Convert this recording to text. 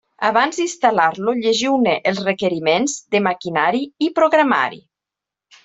Abans d'instal·lar-lo llegiu-ne els requeriments de maquinari i programari.